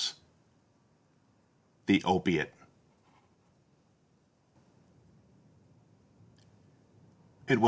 THE OPIATE.